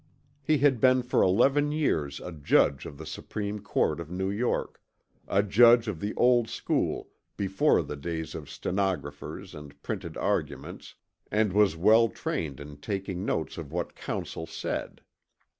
He had been for eleven years a judge of the Supreme Court of New York a judge of the old school before the days of stenographers and printed arguments and was well trained in taking notes of what counsel said.